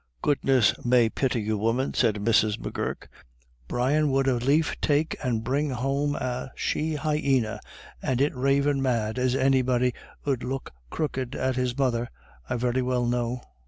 "Goodness may pity you, woman," said Mrs. M'Gurk. "Brian 'ud as lief take and bring home a she hyenna, and it ravin' mad, as anybody 'ud look crooked at his mother, I very well know."